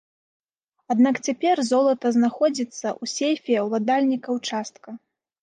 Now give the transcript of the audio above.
Аднак цяпер золата знаходзіцца ў сейфе ўладальніка ўчастка.